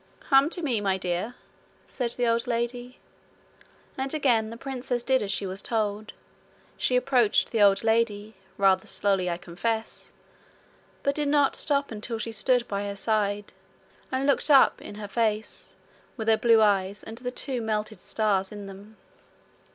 'Come to me, my dear,' said the old lady. And again the princess did as she was told. She approached the old lady rather slowly, I confess but did not stop until she stood by her side, and looked up in her face with her blue eyes and the two melted stars in them.